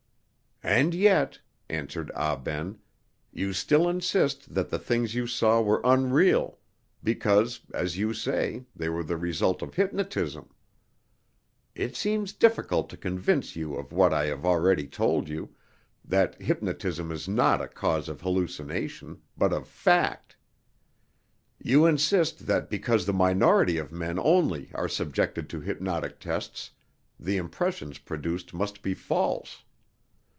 "And yet," answered Ah Ben, "you still insist that the things you saw were unreal, because, as you say, they were the result of hypnotism. It seems difficult to convince you of what I have already told you, that hypnotism is not a cause of hallucination, but of fact. You insist that because the minority of men only are subjected to hypnotic tests, the impressions produced must be false.